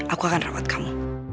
aku akan rawat kamu